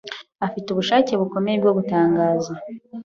Afite ubushake bukomeye bwo gutangaza.